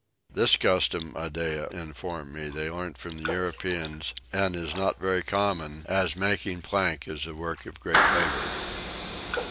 This custom Iddeah informed me they learnt from the Europeans, and is not very common, as making plank is a work of great labour.